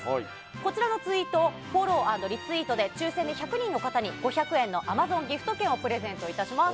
こちらのツイートをフォロー＆リツイートで、１００人の方に５００円のＡｍａｚｏｎギフト券をプレゼントいたします。